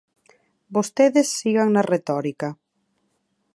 Vostedes sigan na retórica.